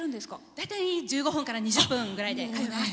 大体１５分から２０分ぐらいで通ってます。